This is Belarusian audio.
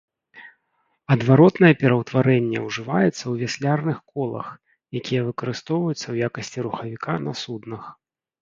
Адваротнае пераўтварэнне ўжываецца ў вяслярных колах, якія выкарыстоўваюцца ў якасці рухавіка на суднах.